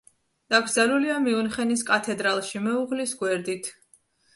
დაკრძალულია მიუნხენის კათედრალში, მეუღლის გვერდით.